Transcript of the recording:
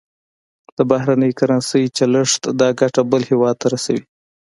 د بهرنۍ کرنسۍ چلښت دا ګټه بل هېواد ته رسوي.